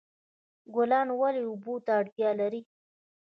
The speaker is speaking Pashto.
ګلان ولې اوبو ته اړتیا لري؟